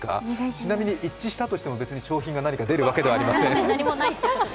ちなみに一致したとしても、賞品が何か出るわけではありません。